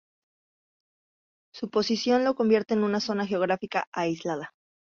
Su posición lo convierte en una zona geográfica aislada.